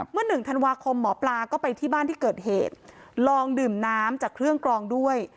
หนึ่งธันวาคมหมอปลาก็ไปที่บ้านที่เกิดเหตุลองดื่มน้ำจากเครื่องกรองด้วย